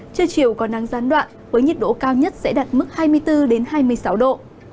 trưa chiều có nắng gián đoạn với nhiệt độ cao nhất sẽ đạt mức hai mươi bốn hai mươi sáu độ